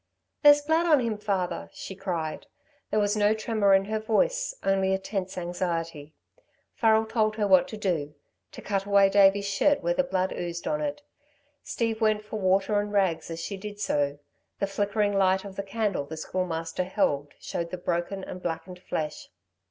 "There's blood on him, father," she cried. There was no tremor in her voice, only a tense anxiety. Farrel told her what to do, to cut away Davey's shirt where the blood oozed on it. Steve went for water and rags as she did so. The flickering light of the candle the Schoolmaster held, showed the broken and blackened flesh.